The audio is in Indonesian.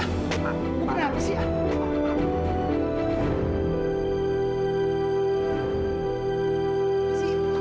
kenapa sih ya